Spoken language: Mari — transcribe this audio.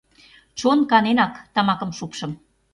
Чон каненак тамакым шупшым.